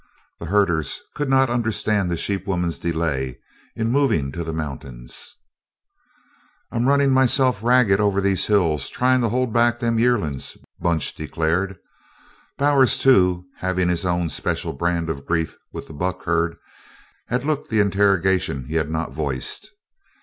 The herders could not understand the sheep woman's delay in moving to the mountains. "I'm runnin' myself ragged over these hills tryin' to hold back them yearlin's," Bunch declared. Bowers, too, having his own special brand of grief with the buck herd, had looked the interrogation he had not voiced.